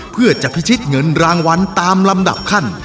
เพื่อจะพิชิตเงินรางวัลตามลำดับขั้น